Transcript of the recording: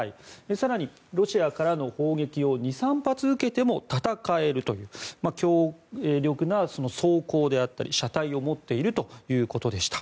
更に、ロシアからの砲撃を２３発受けても戦えるという強力な装甲であったり車体を持っているということでした。